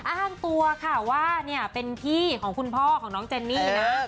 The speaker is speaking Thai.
อ้างตัวค่ะว่าเนี่ยเป็นพี่ของคุณพ่อของน้องเจนนี่นะ